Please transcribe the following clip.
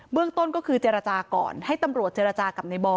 เรื่องต้นก็คือเจรจาก่อนให้ตำรวจเจรจากับในบอล